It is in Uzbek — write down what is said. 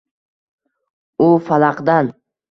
U falaqdan